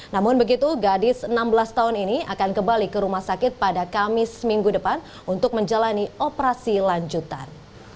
namun begitu gadis enam belas tahun ini akan kembali ke rumah sakit pada kamis minggu depan untuk menjalani operasi lanjutan